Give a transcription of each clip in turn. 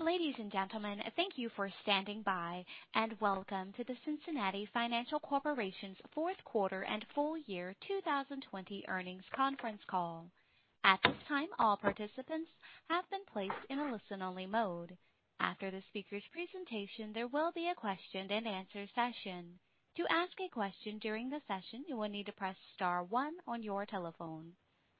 Ladies and gentlemen, thank you for standing by, and welcome to the Cincinnati Financial Corporation's fourth quarter and full year 2020 earnings conference call. At this time, all participants have been placed in a listen-only mode. After the speakers' presentation, there will be a question and answer session. To ask a question during the session, you will need to press star one on your telephone.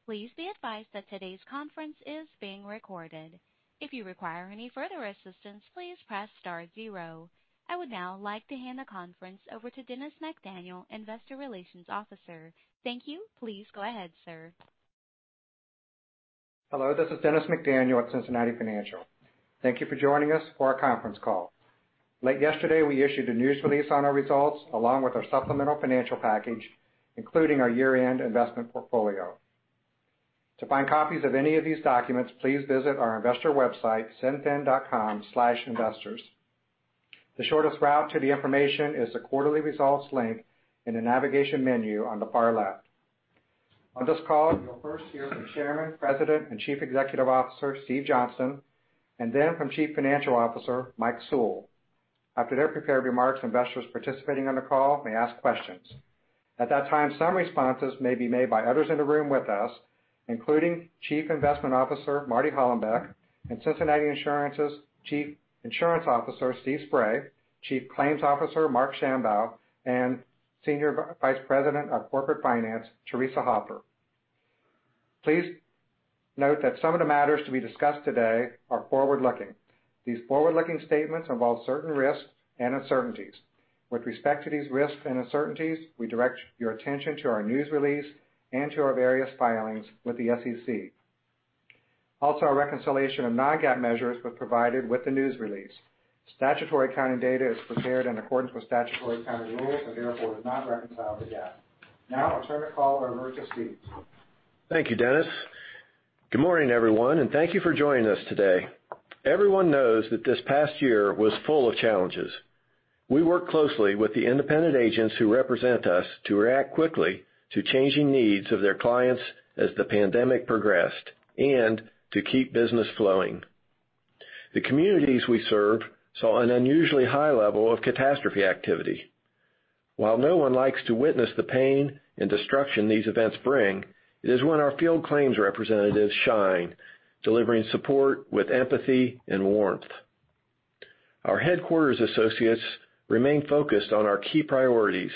Please be advised that today's conference is being recorded. If you require any further assistance, please press star zero. I would now like to hand the conference over to Dennis McDaniel, Investor Relations Officer. Thank you. Please go ahead, sir. Hello. This is Dennis McDaniel at Cincinnati Financial. Thank you for joining us for our conference call. Late yesterday, we issued a news release on our results along with our supplemental financial package, including our year-end investment portfolio. To find copies of any of these documents, please visit our investor website, cincfin.com/investors. The shortest route to the information is the quarterly results link in the navigation menu on the far left. On this call, you'll first hear from Chairman, President, and Chief Executive Officer, Steven J. Johnston, and then from Chief Financial Officer, Mike Sewell. After their prepared remarks, investors participating on the call may ask questions. At that time, some responses may be made by others in the room with us, including Chief Investment Officer Marty Hollenbeck, and Cincinnati Insurance's Chief Insurance Officer, Steve Spray, Chief Claims Officer Marc J. Schambow, and Senior Vice President of Corporate Finance, Theresa Hoffer. Please note that some of the matters to be discussed today are forward-looking. These forward-looking statements involve certain risks and uncertainties. With respect to these risks and uncertainties, we direct your attention to our news release and to our various filings with the SEC. Also, our reconciliation of non-GAAP measures was provided with the news release. Statutory accounting data is prepared in accordance with statutory accounting rules and therefore does not reconcile to GAAP. I'll turn the call over to Steve. Thank you, Dennis. Good morning, everyone. Thank you for joining us today. Everyone knows that this past year was full of challenges. We worked closely with the independent agents who represent us to react quickly to changing needs of their clients as the pandemic progressed and to keep business flowing. The communities we serve saw an unusually high level of catastrophe activity. While no one likes to witness the pain and destruction these events bring, it is when our field claims representatives shine, delivering support with empathy and warmth. Our headquarters associates remain focused on our key priorities,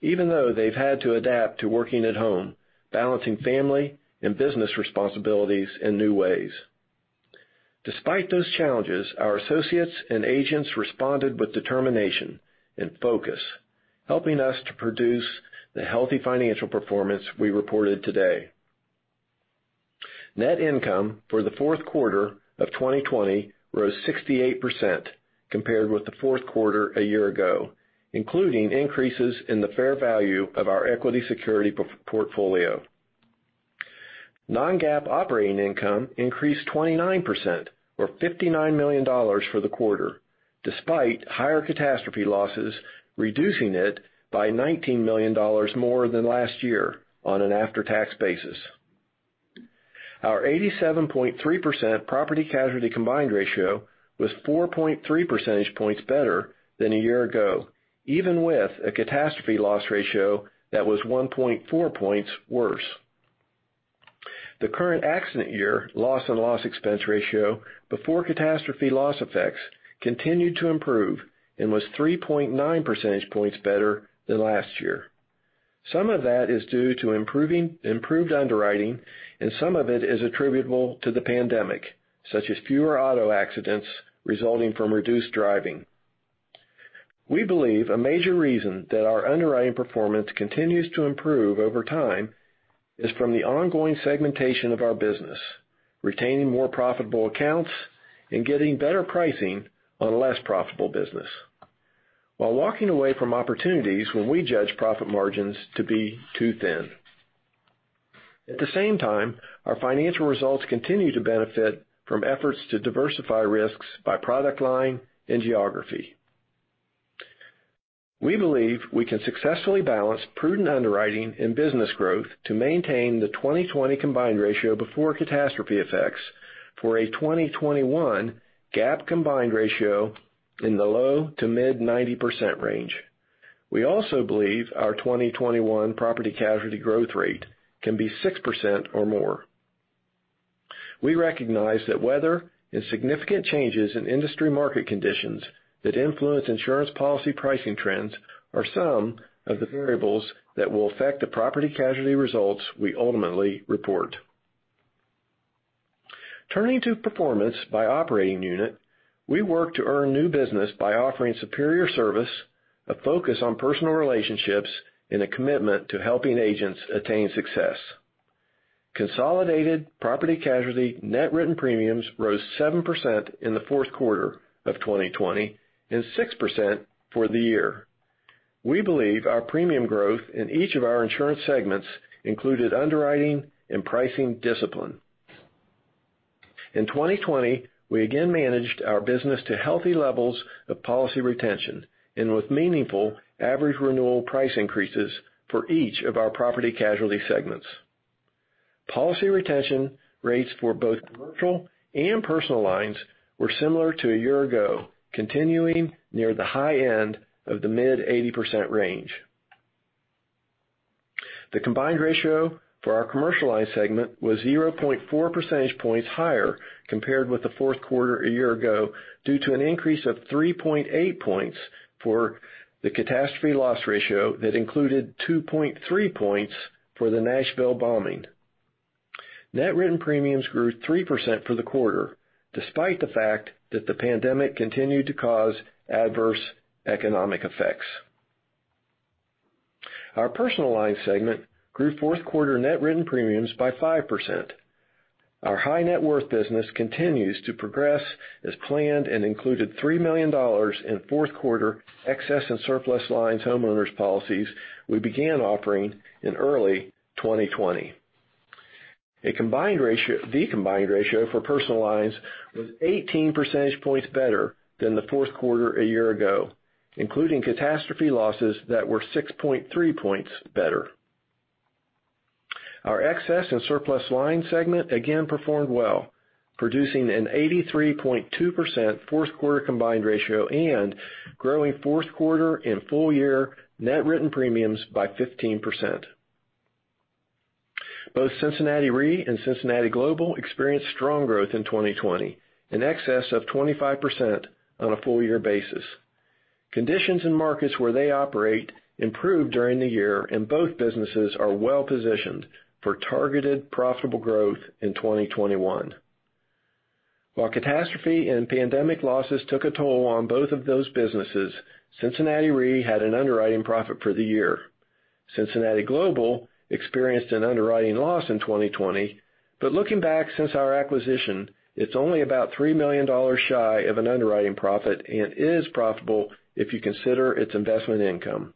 even though they've had to adapt to working at home, balancing family and business responsibilities in new ways. Despite those challenges, our associates and agents responded with determination and focus, helping us to produce the healthy financial performance we reported today. Net income for the fourth quarter of 2020 rose 68% compared with the fourth quarter a year ago, including increases in the fair value of our equity security portfolio. Non-GAAP operating income increased 29%, or $59 million for the quarter, despite higher catastrophe losses reducing it by $19 million more than last year on an after-tax basis. Our 87.3% property casualty combined ratio was 4.3 percentage points better than a year ago, even with a catastrophe loss ratio that was 1.4 points worse. The current accident year, loss and loss expense ratio before catastrophe loss effects continued to improve and was 3.9 percentage points better than last year. Some of that is due to improved underwriting, and some of it is attributable to the pandemic, such as fewer auto accidents resulting from reduced driving. We believe a major reason that our underwriting performance continues to improve over time is from the ongoing segmentation of our business, retaining more profitable accounts and getting better pricing on less profitable business while walking away from opportunities when we judge profit margins to be too thin. At the same time, our financial results continue to benefit from efforts to diversify risks by product line and geography. We believe we can successfully balance prudent underwriting and business growth to maintain the 2020 combined ratio before catastrophe effects for a 2021 GAAP combined ratio in the low to mid 90% range. We also believe our 2021 property casualty growth rate can be 6% or more. We recognize that weather and significant changes in industry market conditions that influence insurance policy pricing trends are some of the variables that will affect the property casualty results we ultimately report. Turning to performance by operating unit, we work to earn new business by offering superior service, a focus on personal relationships, and a commitment to helping agents attain success. Consolidated property casualty net written premiums rose 7% in the fourth quarter of 2020 and 6% for the year. We believe our premium growth in each of our insurance segments included underwriting and pricing discipline. In 2020, we again managed our business to healthy levels of policy retention and with meaningful average renewal price increases for each of our property casualty segments. Policy retention rates for both commercial and personal lines were similar to a year ago, continuing near the high end of the mid 80% range. The combined ratio for our commercial lines segment was 0.4 percentage points higher compared with the fourth quarter a year ago, due to an increase of 3.8 points for the catastrophe loss ratio that included 2.3 points for the Nashville bombing. Net written premiums grew 3% for the quarter, despite the fact that the pandemic continued to cause adverse economic effects. Our personal line segment grew fourth quarter net written premiums by 5%. Our high net worth business continues to progress as planned and included $3 million in fourth quarter excess and surplus lines homeowners policies we began offering in early 2020. The combined ratio for personal lines was 18 percentage points better than the fourth quarter a year ago, including catastrophe losses that were 6.3 points better. Our excess and surplus lines segment again performed well, producing an 83.2% fourth quarter combined ratio and growing fourth quarter in full year net written premiums by 15%. Both Cincinnati Re and Cincinnati Global experienced strong growth in 2020, in excess of 25% on a full year basis. Conditions in markets where they operate improved during the year, and both businesses are well-positioned for targeted profitable growth in 2021. While catastrophe and pandemic losses took a toll on both of those businesses, Cincinnati Re had an underwriting profit for the year. Cincinnati Global experienced an underwriting loss in 2020, but looking back since our acquisition, it's only about $3 million shy of an underwriting profit and is profitable if you consider its investment income.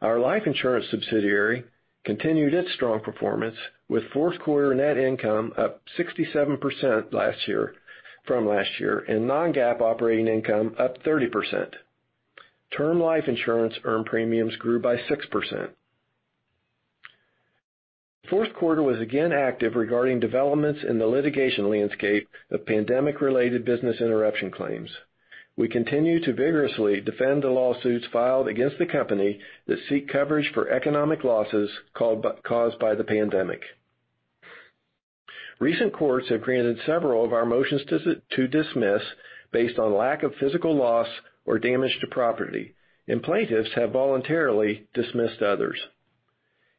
Our life insurance subsidiary continued its strong performance with fourth quarter net income up 67% from last year, and non-GAAP operating income up 30%. Term life insurance earned premiums grew by 6%. Fourth quarter was again active regarding developments in the litigation landscape of pandemic-related business interruption claims. We continue to vigorously defend the lawsuits filed against the company that seek coverage for economic losses caused by the pandemic. Recent courts have granted several of our motions to dismiss based on lack of physical loss or damage to property, and plaintiffs have voluntarily dismissed others.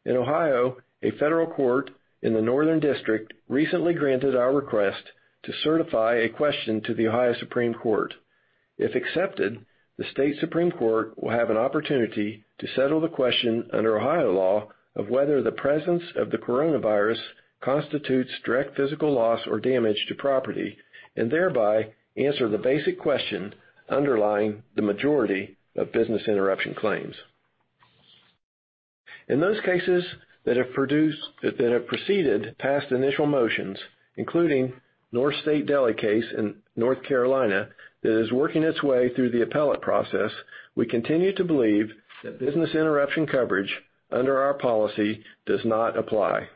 In Ohio, a federal court in the Northern District recently granted our request to certify a question to the Ohio Supreme Court. If accepted, the state Supreme Court will have an opportunity to settle the question under Ohio law of whether the presence of the coronavirus constitutes direct physical loss or damage to property, and thereby answer the basic question underlying the majority of business interruption claims. In those cases that have proceeded past initial motions, including North State Deli case in North Carolina, that is working its way through the appellate process, we continue to believe that business interruption coverage under our policy does not apply.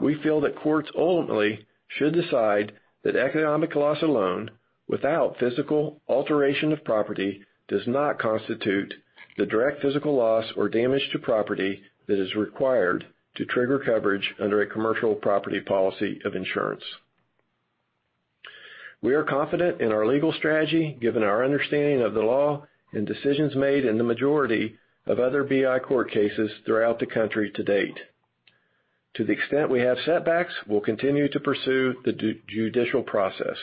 We feel that courts ultimately should decide that economic loss alone, without physical alteration of property, does not constitute the direct physical loss or damage to property that is required to trigger coverage under a commercial property policy of insurance. We are confident in our legal strategy, given our understanding of the law and decisions made in the majority of other BI court cases throughout the country to date. To the extent we have setbacks, we'll continue to pursue the judicial process.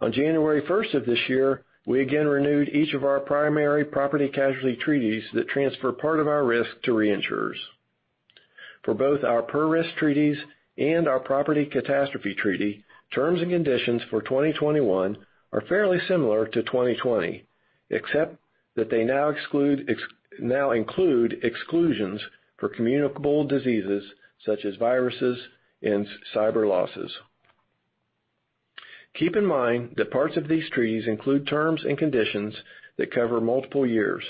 On January 1st of this year, we again renewed each of our primary property casualty treaties that transfer part of our risk to reinsurers. For both our per risk treaties and our property catastrophe treaty, terms and conditions for 2021 are fairly similar to 2020, except that they now include exclusions for communicable diseases such as viruses and cyber losses. Keep in mind that parts of these treaties include terms and conditions that cover multiple years.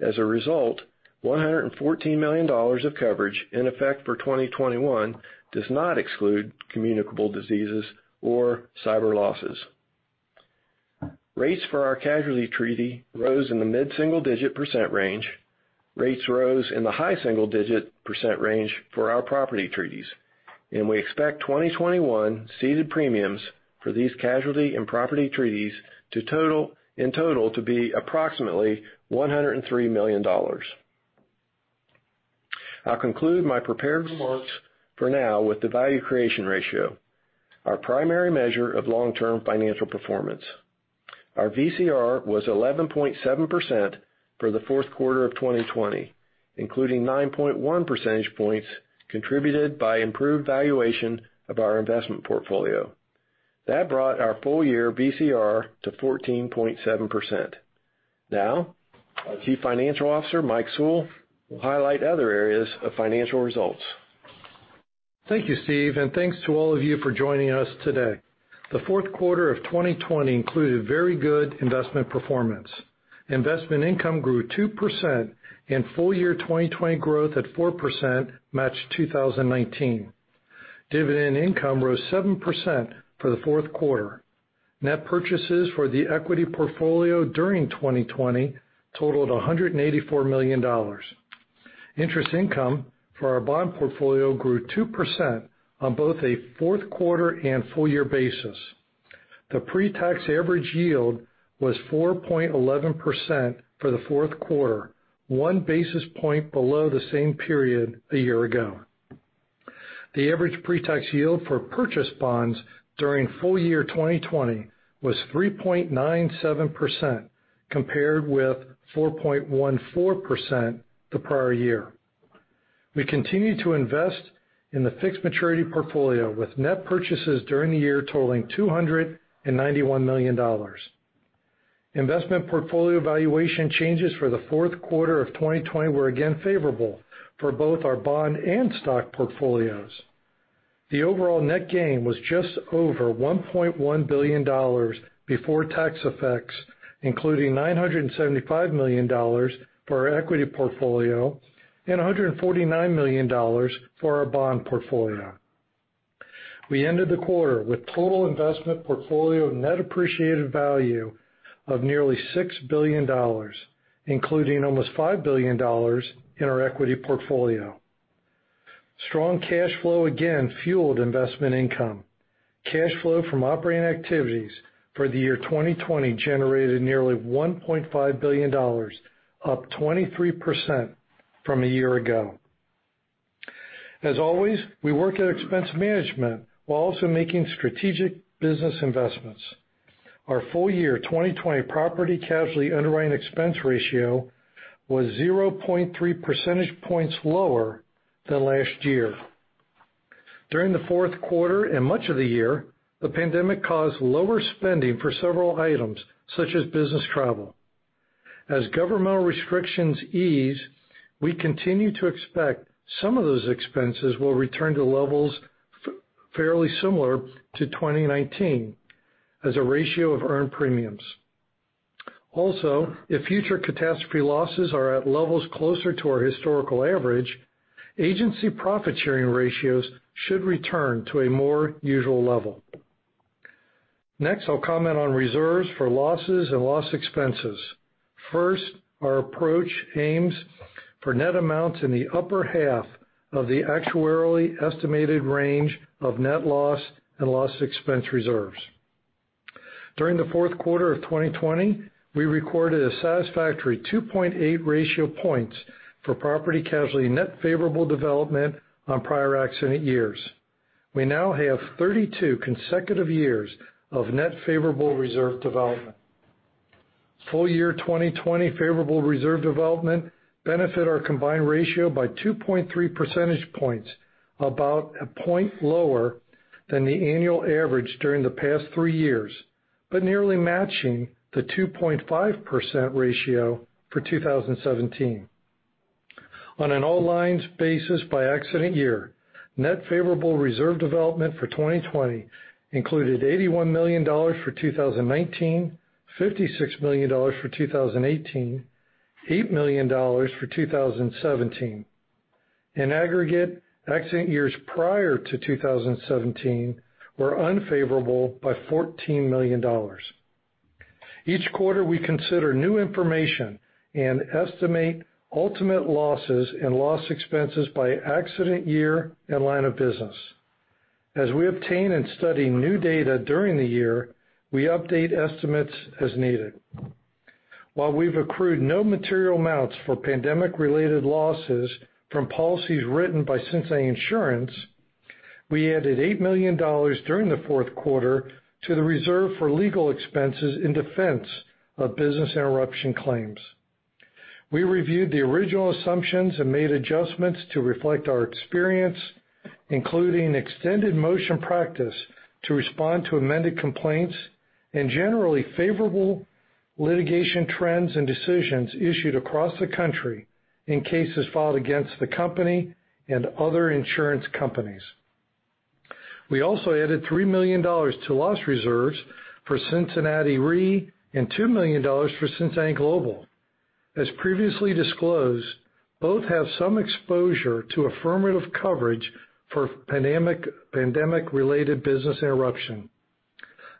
As a result, $114 million of coverage in effect for 2021 does not exclude communicable diseases or cyber losses. Rates for our casualty treaty rose in the mid-single-digit percent range. Rates rose in the high single-digit percent range for our property treaties. We expect 2021 ceded premiums for these casualty and property treaties in total to be approximately $103 million. I'll conclude my prepared remarks for now with the value creation ratio, our primary measure of long-term financial performance. Our VCR was 11.7% for the fourth quarter of 2020, including 9.1 percentage points contributed by improved valuation of our investment portfolio. That brought our full year VCR to 14.7%. Our Chief Financial Officer, Mike Sewell, will highlight other areas of financial results. Thank you, Steve, and thanks to all of you for joining us today. The fourth quarter of 2020 included very good investment performance. Investment income grew 2%, and full-year 2020 growth at 4% matched 2019. Dividend income rose 7% for the fourth quarter. Net purchases for the equity portfolio during 2020 totaled $184 million. Interest income for our bond portfolio grew 2% on both a fourth quarter and full year basis. The pre-tax average yield was 4.11% for the fourth quarter, one basis point below the same period a year ago. The average pre-tax yield for purchased bonds during full year 2020 was 3.97%, compared with 4.14% the prior year. We continued to invest in the fixed maturity portfolio, with net purchases during the year totaling $291 million. Investment portfolio valuation changes for the fourth quarter of 2020 were again favorable for both our bond and stock portfolios. The overall net gain was just over $1.1 billion before tax effects, including $975 million for our equity portfolio and $149 million for our bond portfolio. We ended the quarter with total investment portfolio net appreciated value of nearly $6 billion, including almost $5 billion in our equity portfolio. Strong cash flow again fueled investment income. Cash flow from operating activities for the year 2020 generated nearly $1.5 billion, up 23% from a year ago. As always, we work at expense management while also making strategic business investments. Our full-year 2020 property casualty underwriting expense ratio was 0.3 percentage points lower than last year. During the fourth quarter and much of the year, the pandemic caused lower spending for several items, such as business travel. As governmental restrictions ease, we continue to expect some of those expenses will return to levels fairly similar to 2019 as a ratio of earned premiums. Also, if future catastrophe losses are at levels closer to our historical average, agency profit-sharing ratios should return to a more usual level. I'll comment on reserves for losses and loss expenses. Our approach aims for net amounts in the upper half of the actuarially estimated range of net loss and loss expense reserves. During the fourth quarter of 2020, we recorded a satisfactory 2.8 ratio points for property casualty net favorable development on prior accident years. We now have 32 consecutive years of net favorable reserve development. Full-year 2020 favorable reserve development benefit our combined ratio by 2.3 percentage points, about a point lower than the annual average during the past three years, but nearly matching the 2.5% ratio for 2017. On an all lines basis by accident year, net favorable reserve development for 2020 included $81 million for 2019, $56 million for 2018, $8 million for 2017. In aggregate, accident years prior to 2017 were unfavorable by $14 million. Each quarter, we consider new information and estimate ultimate losses and loss expenses by accident year and line of business. As we obtain and study new data during the year, we update estimates as needed. While we've accrued no material amounts for pandemic-related losses from policies written by Cincinnati Insurance, we added $8 million during the fourth quarter to the reserve for legal expenses in defense of business interruption claims. We reviewed the original assumptions and made adjustments to reflect our experience, including extended motion practice to respond to amended complaints and generally favorable litigation trends and decisions issued across the country in cases filed against the company and other insurance companies. We also added $3 million to loss reserves for Cincinnati Re and $2 million for Cincinnati Global. As previously disclosed, both have some exposure to affirmative coverage for pandemic-related business interruption.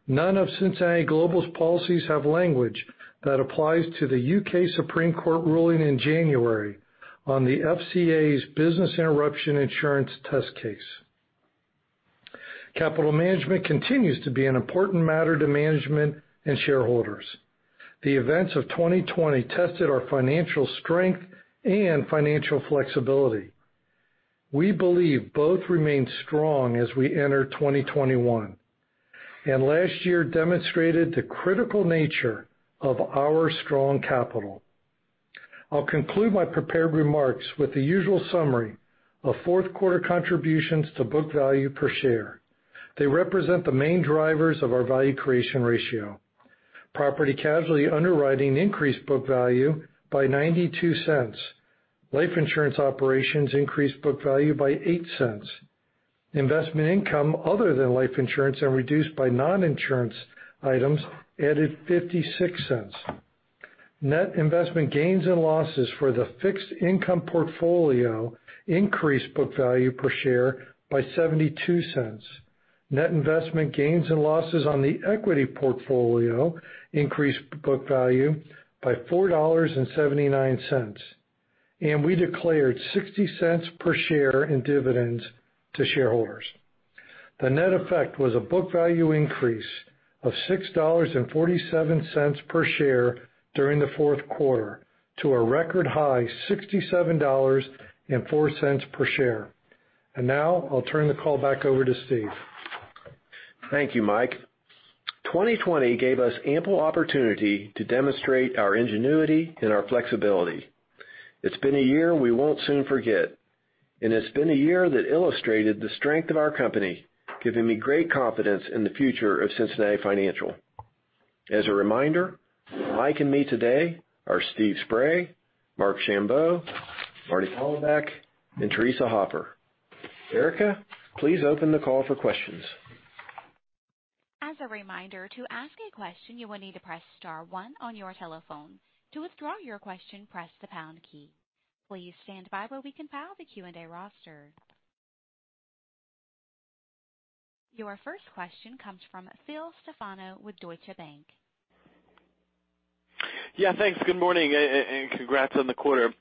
None of Cincinnati Global's policies have language that applies to the U.K. Supreme Court ruling in January on the FCA's business interruption insurance test case. Capital management continues to be an important matter to management and shareholders. The events of 2020 tested our financial strength and financial flexibility. We believe both remain strong as we enter 2021. Last year demonstrated the critical nature of our strong capital. I'll conclude my prepared remarks with the usual summary of fourth quarter contributions to book value per share. They represent the main drivers of our value creation ratio. Property casualty underwriting increased book value by $0.92. Life insurance operations increased book value by $0.08. Investment income other than life insurance and reduced by non-insurance items added $0.56. Net investment gains and losses for the fixed income portfolio increased book value per share by $0.72. Net investment gains and losses on the equity portfolio increased book value by $4.79. We declared $0.60 per share in dividends to shareholders. The net effect was a book value increase of $6.47 per share during the fourth quarter, to a record high $67.04 per share. Now I'll turn the call back over to Steve. Thank you, Mike. 2020 gave us ample opportunity to demonstrate our ingenuity and our flexibility. It's been a year we won't soon forget, and it's been a year that illustrated the strength of our company, giving me great confidence in the future of Cincinnati Financial. As a reminder, Mike and me today are Steve Spray, Marc Schambow, Marty Hollenbeck, and Theresa Hoffer. Erica, please open the call for questions. As a reminder, to ask a question, you will need to press star one on your telephone. To withdraw your question, press the pound key. Please stand by while we compile the Q&A roster. Your first question comes from Phil Stefano with Deutsche Bank. Yeah, thanks. Good morning. Congrats on the quarter.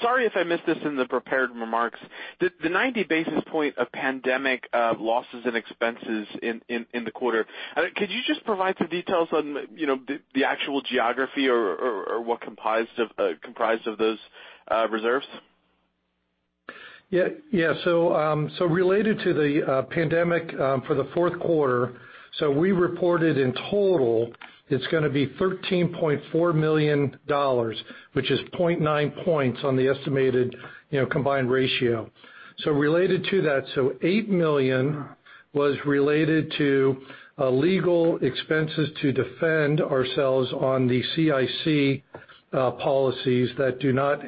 Sorry if I missed this in the prepared remarks. The 90 basis point of pandemic losses and expenses in the quarter, could you just provide some details on the actual geography or what comprised of those reserves? Related to the pandemic for the fourth quarter, we reported in total, it's going to be $13.4 million, which is 0.9 points on the estimated combined ratio. Related to that, $8 million was related to legal expenses to defend ourselves on the CIC policies that do not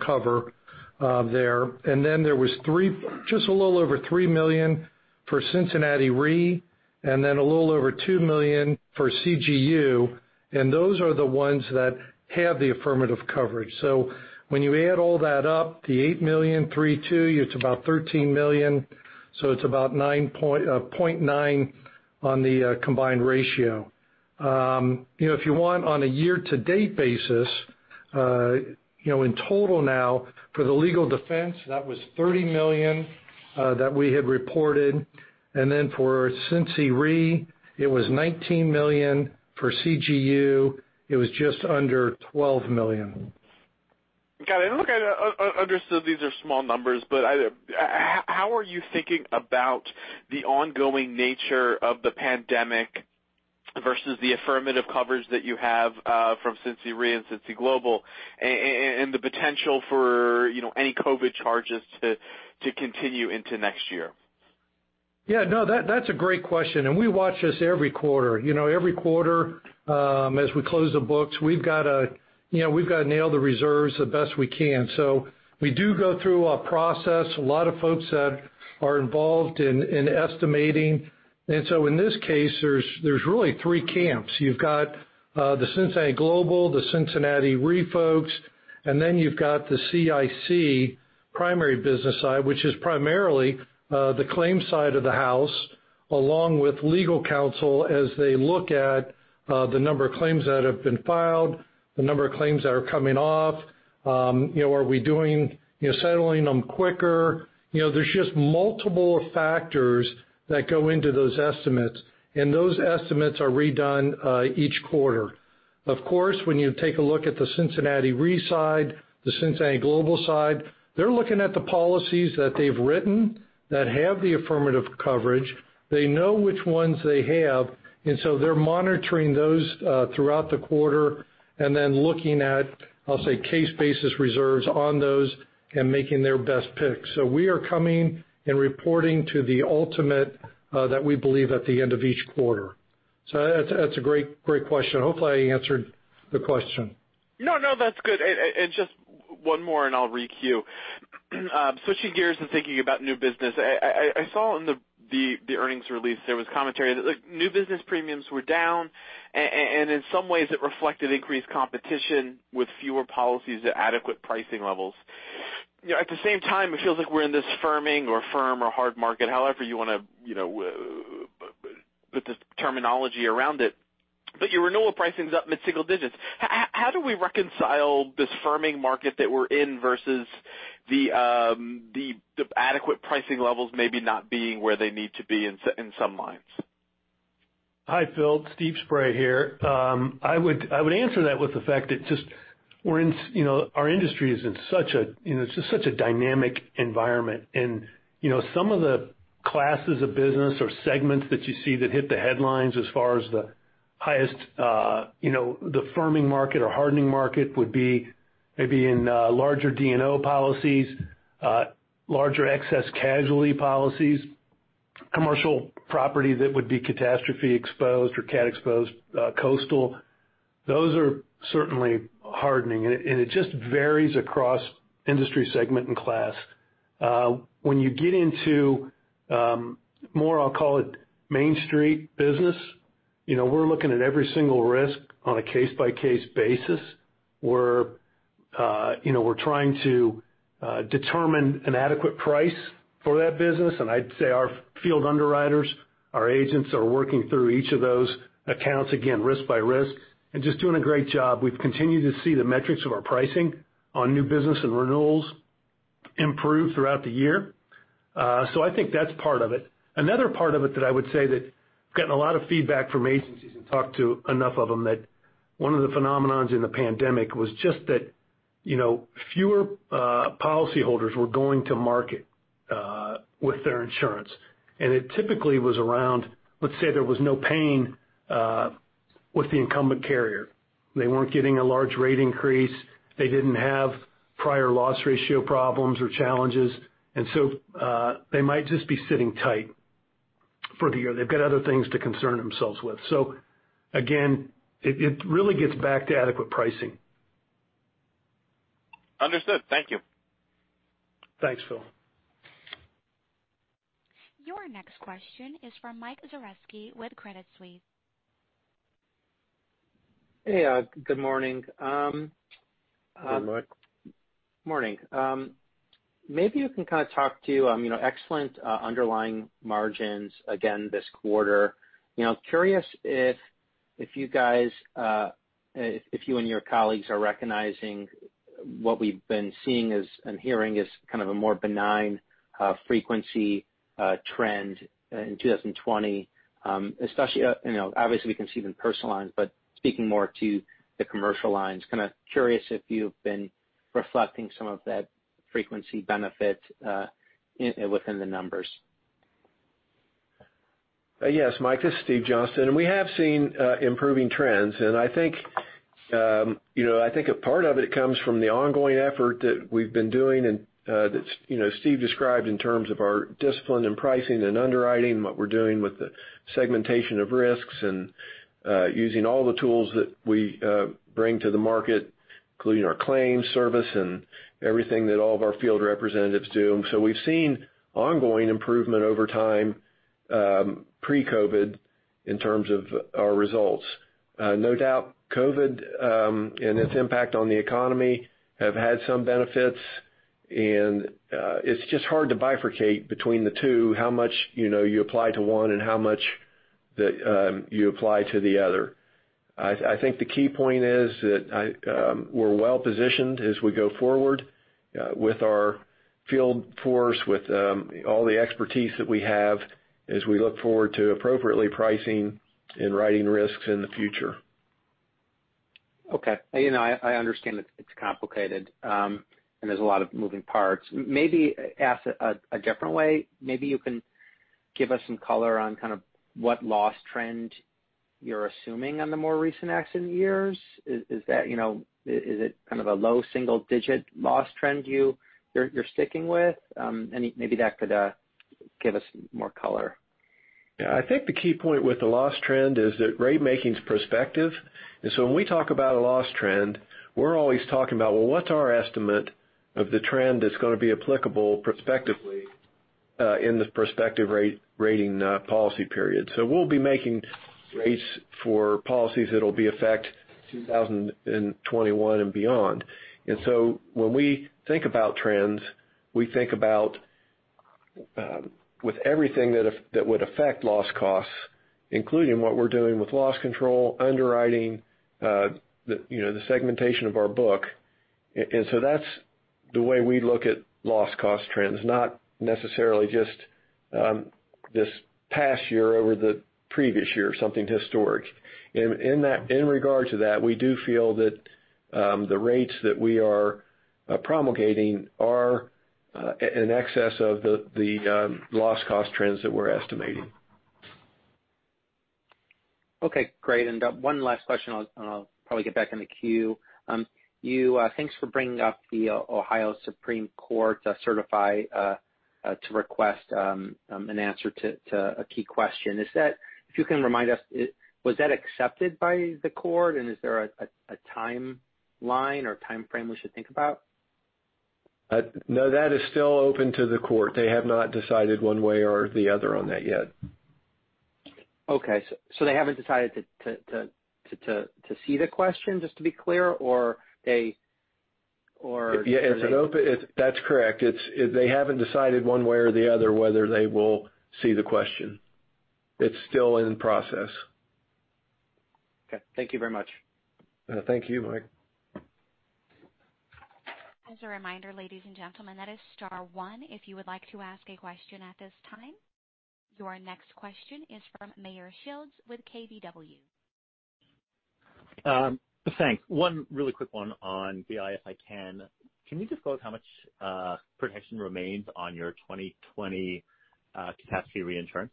cover there. Then there was just a little over $3 million for Cincy Re, then a little over $2 million for CGU, and those are the ones that have the affirmative coverage. When you add all that up, the $8 million, $3 million, $2 million, it's about $13 million. It's about 0.9 on the combined ratio. If you want, on a year-to-date basis, in total now, for the legal defense, that was $30 million that we had reported. Then for Cincy Re, it was $19 million. For CGU, it was just under $12 million. Got it. Look, I understood these are small numbers, how are you thinking about the ongoing nature of the pandemic versus the affirmative coverage that you have from Cincy Re and Cincy Global and the potential for any COVID charges to continue into next year? Yeah, no, that's a great question. We watch this every quarter. Every quarter, as we close the books, we've got to nail the reserves the best we can. We do go through a process. A lot of folks that are involved in estimating. In this case, there's really three camps. You've got the Cincinnati Global, the Cincinnati Re folks, and then you've got the CIC primary business side, which is primarily the claims side of the house, along with legal counsel as they look at the number of claims that have been filed, the number of claims that are coming off. Are we settling them quicker? There's just multiple factors that go into those estimates, and those estimates are redone each quarter. Of course, when you take a look at the Cincinnati Re side, the Cincinnati Global side, they're looking at the policies that they've written that have the affirmative coverage. They know which ones they have. They're monitoring those throughout the quarter and then looking at, I'll say, case basis reserves on those and making their best picks. We are coming and reporting to the ultimate that we believe at the end of each quarter. That's a great question. Hopefully, I answered the question. No, that's good. Just one more, and I'll re-queue. Switching gears and thinking about new business, I saw in the earnings release, there was commentary that new business premiums were down, and in some ways, it reflected increased competition with fewer policies at adequate pricing levels. At the same time, it feels like we're in this firming or firm or hard market, however you want to put the terminology around it. Your renewal pricing's up mid-single digits. How do we reconcile this firming market that we're in versus the adequate pricing levels maybe not being where they need to be in some lines? Hi, Phil. Steve Spray here. I would answer that with the fact that just our industry is in such a dynamic environment. Some of the classes of business or segments that you see that hit the headlines as far as the highest, the firming market or hardening market would be maybe in larger D&O policies, larger excess casualty policies Commercial property that would be catastrophe exposed or cat exposed, coastal, those are certainly hardening, and it just varies across industry segment and class. When you get into more, I will call it, main street business, we are looking at every single risk on a case-by-case basis. We are trying to determine an adequate price for that business, and I would say our field underwriters, our agents, are working through each of those accounts, again, risk by risk, and just doing a great job. We have continued to see the metrics of our pricing on new business and renewals improve throughout the year. I think that is part of it. Another part of it that I would say that I have gotten a lot of feedback from agencies and talked to enough of them, that one of the phenomenons in the pandemic was just that fewer policyholders were going to market with their insurance. It typically was around, let us say there was no pain with the incumbent carrier. They weren't getting a large rate increase. They didn't have prior loss ratio problems or challenges. They might just be sitting tight for the year. They have got other things to concern themselves with. Again, it really gets back to adequate pricing. Understood. Thank you. Thanks, Phil. Your next question is from Michael Zaremski with Credit Suisse. Hey. Good morning. Good morning. Morning. Maybe you can kind of talk to excellent underlying margins again this quarter. Curious if you and your colleagues are recognizing what we've been seeing and hearing as kind of a more benign frequency trend in 2020. Especially, obviously we can see it in personal lines, but speaking more to the commercial lines, kind of curious if you've been reflecting some of that frequency benefit within the numbers. Yes, Mike, this is Steve Johnston. We have seen improving trends, and I think a part of it comes from the ongoing effort that we've been doing, and that Steve described in terms of our discipline and pricing and underwriting, what we're doing with the segmentation of risks and using all the tools that we bring to the market, including our claims service and everything that all of our field representatives do. We've seen ongoing improvement over time, pre-COVID, in terms of our results. No doubt, COVID and its impact on the economy have had some benefits, and it's just hard to bifurcate between the two, how much you apply to one and how much that you apply to the other. I think the key point is that we're well positioned as we go forward with our field force, with all the expertise that we have as we look forward to appropriately pricing and writing risks in the future. Okay. I understand it's complicated, and there's a lot of moving parts. Maybe ask a different way. Maybe you can give us some color on what loss trend you're assuming on the more recent accident years. Is it kind of a low single-digit loss trend you're sticking with? Maybe that could give us more color. Yeah. I think the key point with the loss trend is that ratemaking's perspective. When we talk about a loss trend, we're always talking about, well, what's our estimate of the trend that's going to be applicable prospectively in the prospective rating policy period? We'll be making rates for policies that'll be effect 2021 and beyond. When we think about trends, we think about with everything that would affect loss costs, including what we're doing with loss control, underwriting, the segmentation of our book. That's the way we look at loss cost trends, not necessarily just this past year over the previous year, something historic. In regard to that, we do feel that the rates that we are promulgating are in excess of the loss cost trends that we're estimating. Okay. Great. One last question. I'll probably get back in the queue. Thanks for bringing up the Supreme Court of Ohio to certify to request an answer to a key question. If you can remind us, was that accepted by the court, is there a timeline or timeframe we should think about? No, that is still open to the court. They have not decided one way or the other on that yet. Okay, they haven't decided to see the question, just to be clear? Yeah. That's correct. They haven't decided one way or the other whether they will see the question. It's still in process. Okay. Thank you very much. Thank you, Mike. As a reminder, ladies and gentlemen, that is star one if you would like to ask a question at this time. Your next question is from Meyer Shields with KBW. Thanks. One really quick one on BI, if I can. Can you disclose how much protection remains on your 2020 capacity reinsurance?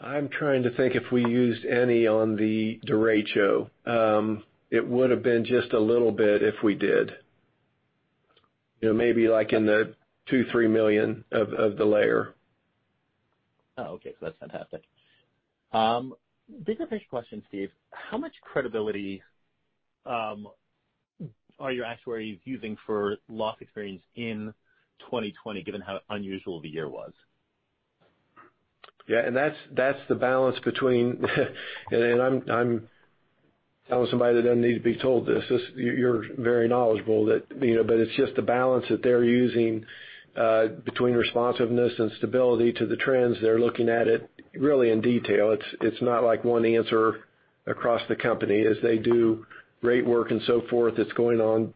I'm trying to think if we used any on the derecho. It would've been just a little bit if we did. Maybe like in the $2 million, $3 million of the layer. Oh, okay. That's fantastic. Bigger picture question, Steve. How much credibility are your actuaries using for loss experience in 2020, given how unusual the year was? Yeah. That's the balance between and I'm telling somebody that doesn't need to be told this. You're very knowledgeable. It's just the balance that they're using, between responsiveness and stability to the trends. They're looking at it really in detail. It's not like one answer across the company as they do rate work and so forth. It's going on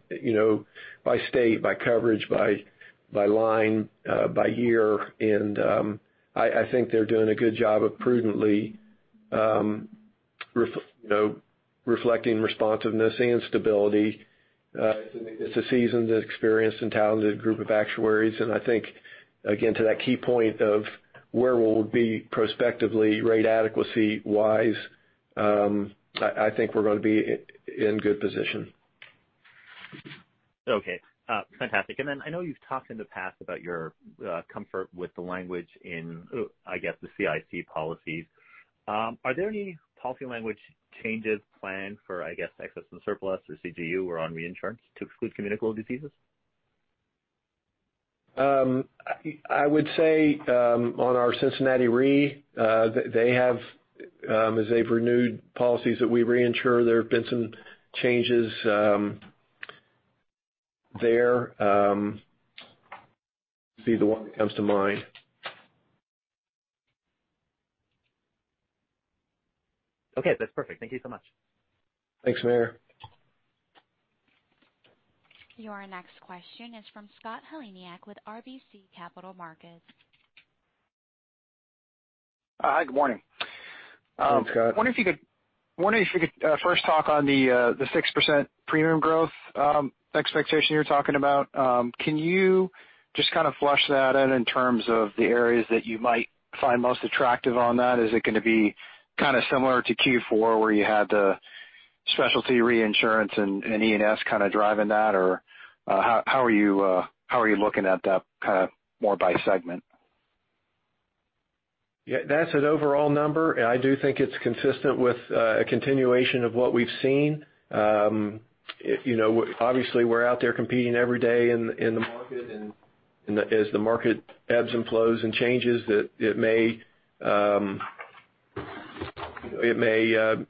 by state, by coverage, by line, by year. I think they're doing a good job of prudently reflecting responsiveness and stability. It's a seasoned, experienced, and talented group of actuaries, and I think, again, to that key point of where we'll be prospectively rate adequacy-wise, I think we're going to be in good position. Okay. Fantastic. I know you've talked in the past about your comfort with the language in, I guess, the CIC policies. Are there any policy language changes planned for, I guess, excess and surplus or CGU or on reinsurance to exclude communicable diseases? I would say on our Cincinnati Re, as they've renewed policies that we reinsure, there have been some changes there. That'd be the one that comes to mind. Okay. That's perfect. Thank you so much. Thanks, Meyer. Your next question is from Scott Heleniak with RBC Capital Markets. Hi, good morning. Morning, Scott. Wondering if you could first talk on the 6% premium growth expectation you were talking about. Can you just kind of flesh that out in terms of the areas that you might find most attractive on that? Is it going to be kind of similar to Q4 where you had the specialty reinsurance and E&S kind of driving that, or how are you looking at that kind of more by segment? Yeah, that's an overall number. I do think it's consistent with a continuation of what we've seen. Obviously we're out there competing every day in the market. As the market ebbs and flows and changes, it may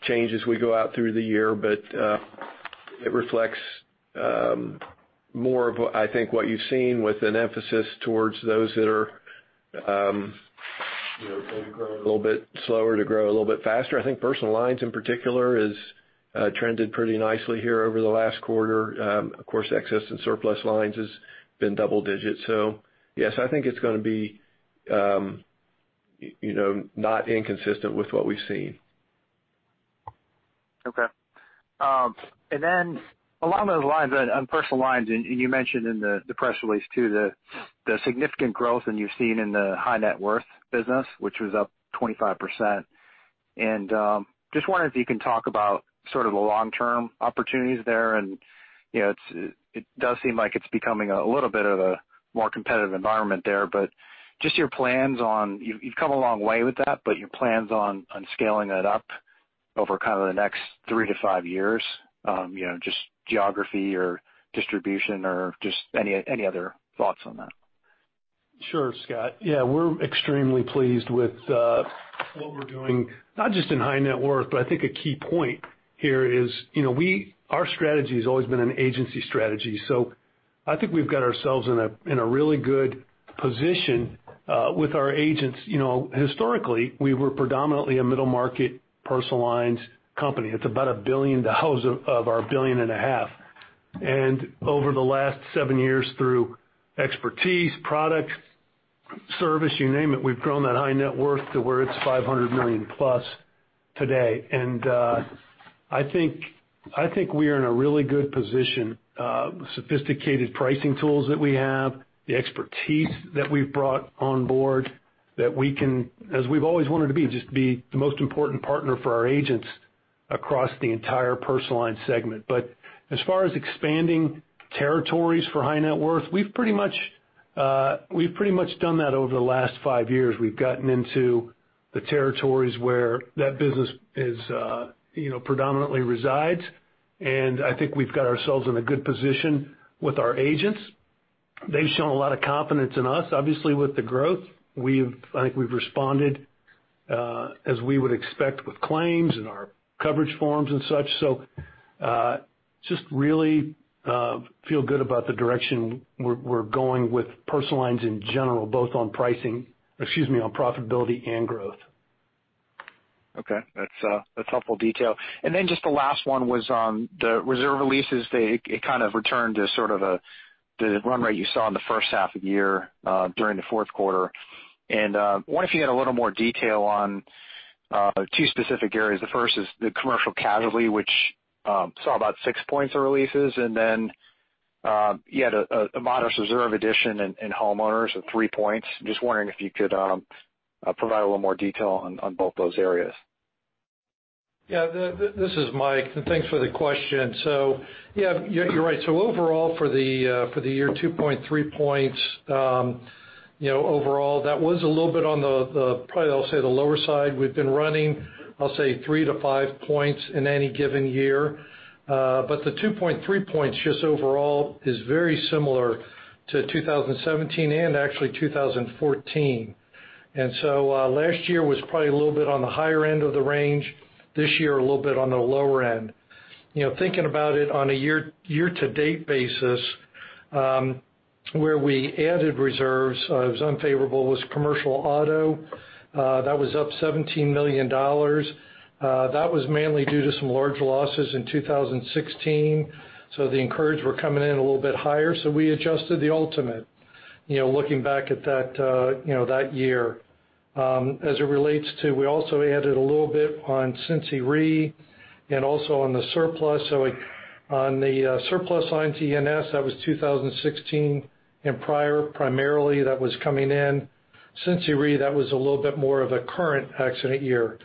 change as we go out through the year. It reflects more of I think what you've seen with an emphasis towards those that are going to grow a little bit slower to grow a little bit faster. I think personal lines in particular has trended pretty nicely here over the last quarter. Of course, excess and surplus lines has been double digits. Yes, I think it's going to be not inconsistent with what we've seen. Okay. Along those lines, on personal lines, you mentioned in the press release, too, the significant growth you've seen in the high net worth business, which was up 25%. Just wondering if you can talk about sort of the long-term opportunities there. It does seem like it's becoming a little bit of a more competitive environment there, you've come a long way with that, your plans on scaling that up over kind of the next 3 to 5 years. Just geography or distribution or any other thoughts on that? Sure, Scott. Yeah, we're extremely pleased with what we're doing, not just in high net worth, but I think a key point here is our strategy has always been an agency strategy. I think we've got ourselves in a really good position with our agents. Historically, we were predominantly a middle-market personal lines company. It's about $1 billion of our $1.5 billion. Over the last seven years through expertise, product, service, you name it, we've grown that high net worth to where it's $500 million-plus today. I think we're in a really good position. Sophisticated pricing tools that we have, the expertise that we've brought on board, that we can, as we've always wanted to be, just be the most important partner for our agents across the entire personal line segment. As far as expanding territories for high net worth, we've pretty much done that over the last five years. We've gotten into the territories where that business predominantly resides, I think we've got ourselves in a good position with our agents. They've shown a lot of confidence in us, obviously, with the growth. I think we've responded, as we would expect with claims and our coverage forms and such. Just really feel good about the direction we're going with personal lines in general, both on pricing, excuse me, on profitability and growth. Okay. That's helpful detail. Just the last one was on the reserve releases. It kind of returned to sort of the run rate you saw in the first half of the year during the fourth quarter. I wonder if you had a little more detail on two specific areas. The first is the commercial casualty, which saw about 6 points of releases. You had a modest reserve addition in homeowners of 3 points. I'm just wondering if you could provide a little more detail on both those areas. This is Mike, and thanks for the question. You're right. Overall, for the year, 2.3 points. Overall, that was a little bit on the, probably I'll say, the lower side. We've been running, I'll say, three to five points in any given year. The 2.3 points just overall is very similar to 2017 and actually 2014. Last year was probably a little bit on the higher end of the range. This year, a little bit on the lower end. Thinking about it on a year-to-date basis, where we added reserves, it was unfavorable, was commercial auto. That was up $17 million. That was mainly due to some large losses in 2016. The incurreds were coming in a little bit higher, so we adjusted the ultimate, looking back at that year. As it relates to, we also added a little bit on Cincinnati Re and also on the surplus. On the surplus on CSU, that was 2016 and prior, primarily that was coming in. Cincinnati Re, that was a little bit more of a current accident year.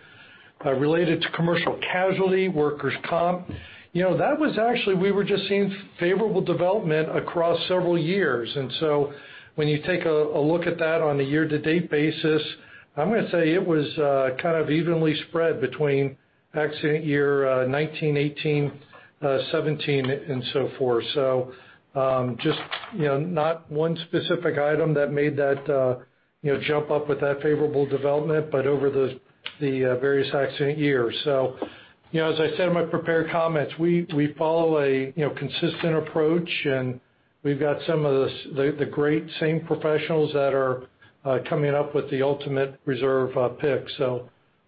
Related to commercial casualty, workers' comp, that was actually, we were just seeing favorable development across several years. When you take a look at that on a year-to-date basis, I'm going to say it was kind of evenly spread between accident year 2019, 2018, 2017, and so forth. Just not one specific item that made that jump up with that favorable development, but over the various accident years. As I said in my prepared comments, we follow a consistent approach, and we've got some of the great same professionals that are coming up with the ultimate reserve pick.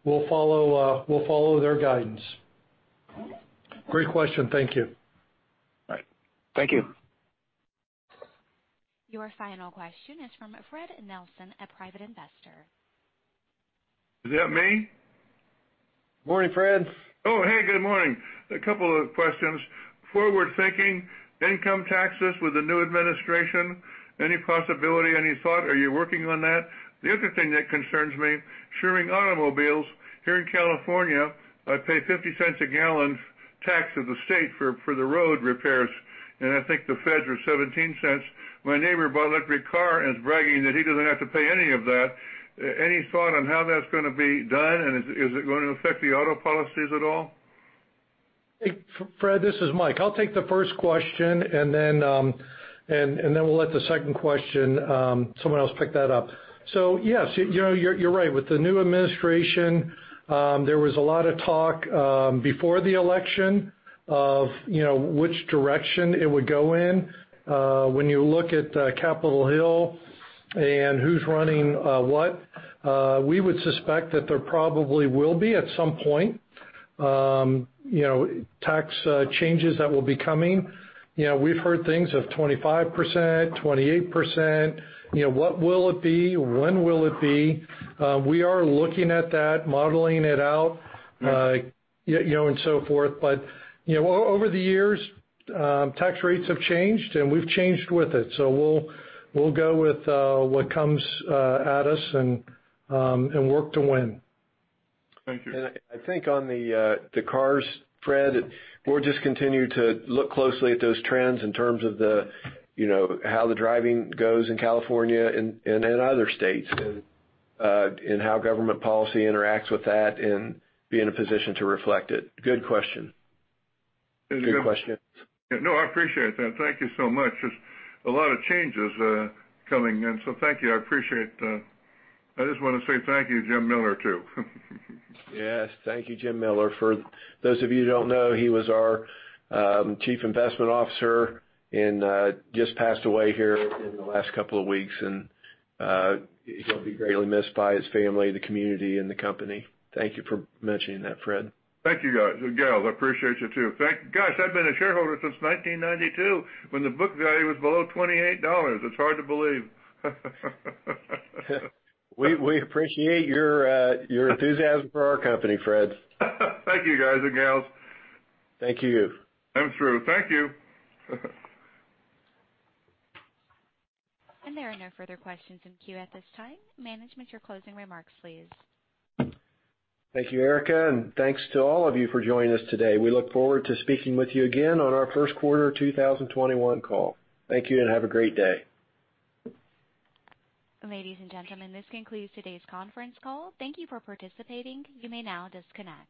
We'll follow their guidance. Great question. Thank you. All right. Thank you. Your final question is from Fred Nelson at Private Investor. Is that me? Morning, Fred. Oh, hey, good morning. A couple of questions. Forward-thinking income taxes with the new administration, any possibility, any thought? Are you working on that? The other thing that concerns me, insuring automobiles. Here in California, I pay $0.50 a gallon tax to the state for the road repairs, and I think the feds are $0.17. My neighbor bought an electric car and is bragging that he doesn't have to pay any of that. Any thought on how that's going to be done, and is it going to affect the auto policies at all? Hey, Fred, this is Mike. I'll take the first question, then we'll let the second question, someone else pick that up. Yes, you're right. With the new administration, there was a lot of talk before the election of which direction it would go in. When you look at Capitol Hill and who's running what, we would suspect that there probably will be, at some point, tax changes that will be coming. We've heard things of 25%, 28%. What will it be? When will it be? We are looking at that, modeling it out, and so forth. Over the years, tax rates have changed, and we've changed with it. We'll go with what comes at us and work to win. Thank you. I think on the cars, Fred, we'll just continue to look closely at those trends in terms of how the driving goes in California and in other states, and how government policy interacts with that and be in a position to reflect it. Good question. Yeah. Good question. No, I appreciate that. Thank you so much. There's a lot of changes coming in, so thank you. I appreciate. I just want to say thank you, Jim Miller, too. Yes. Thank you, Jim Miller. For those of you who don't know, he was our Chief Investment Officer and just passed away here in the last couple of weeks, and he'll be greatly missed by his family, the community, and the company. Thank you for mentioning that, Fred. Thank you, guys and gals. I appreciate you, too. Gosh, I've been a shareholder since 1992 when the book value was below $28. It's hard to believe. We appreciate your enthusiasm for our company, Fred. Thank you, guys and gals. Thank you. That's true. Thank you. There are no further questions in queue at this time. Management, your closing remarks, please. Thank you, Erica, and thanks to all of you for joining us today. We look forward to speaking with you again on our first quarter of 2021 call. Thank you, and have a great day. Ladies and gentlemen, this concludes today's conference call. Thank you for participating. You may now disconnect.